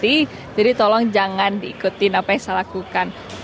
ini ga well professor jadi tolong jangan diikuti apa yang saya lakukan